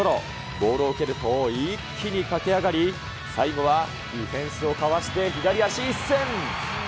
ボールを受けると、一気に駆け上がり、最後はディフェンスをかわして左足一せん！